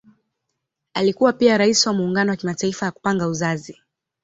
Alikuwa pia Rais wa Muungano ya Kimataifa ya Kupanga Uzazi.